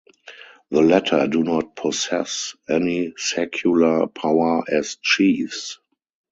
The latter do not possess any secular power as chiefs.